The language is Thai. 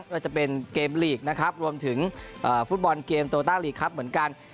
ก็จะเป็นเกมลีกนะครับรวมถึงฟุตบอลเกมโตต้าลีกครับเหมือนกัน